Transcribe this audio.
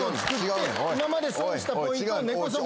今まで損したポイントを。